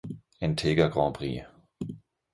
Entega Grand Prix